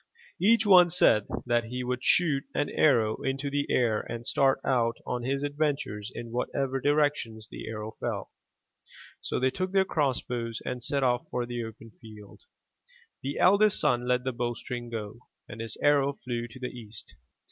Each one said that he would shoot an arrow into the air and start out on his adventures in whatever direction the arrow fell. So they took their crossbows and set off for the open field. The eldest son let the bow string go, and his arrow flew to the East.